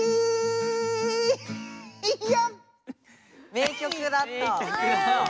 名曲だった。